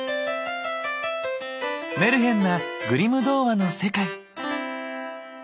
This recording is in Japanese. メルヘンなグリム童話の世界。